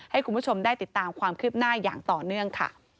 ให้คุณผู้ชมได้ติดตามความคืบหน้าอย่างต่อเนื่องค่ะ